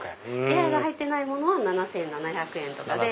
エアが入ってないものは７７００円とかで。